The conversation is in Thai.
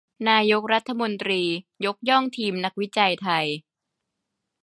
นายกรัฐมนตรียกย่องทีมนักวิจัยไทย